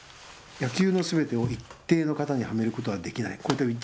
野球のすべてを一定の型にはめることはできない。